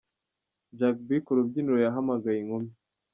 Jack B ku rubyiniro yahamagaye inkumi.